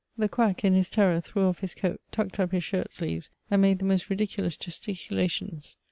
The quack, in his terror, threw off laa coat, tucked up his shirt sleeves, and made the most ridiculous gesticulations.